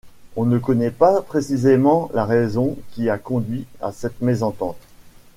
On ne connaît pas précisément la raison qui a conduit à cette mésentente.